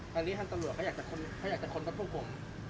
กาลิขั้นตะหลัวกเขาอยากจะค้นก่อนกันทุกคน